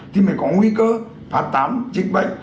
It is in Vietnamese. thì mới có nguy cơ phát tán dịch bệnh